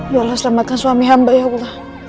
ya allah selamatkan suami hamba ya allah